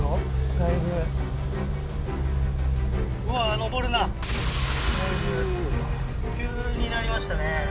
だいぶ急になりましたね